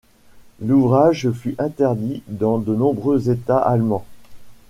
L'ouvrage fut interdit dans de nombreux États allemands.